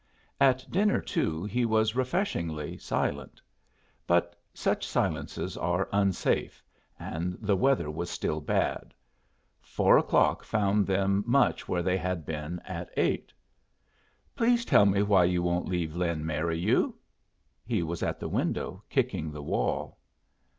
At dinner, too, he was refreshingly silent. But such silences are unsafe, and the weather was still bad. Four o'clock found them much where they had been at eight. "Please tell me why you won't leave Lin marry you." He was at the window, kicking the wall.